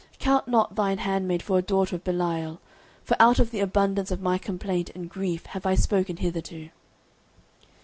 09:001:016 Count not thine handmaid for a daughter of Belial: for out of the abundance of my complaint and grief have I spoken hitherto.